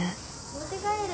持って帰る。